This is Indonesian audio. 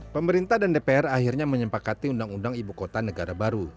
pemerintah dan dpr akhirnya menyempakati undang undang ibu kota negara baru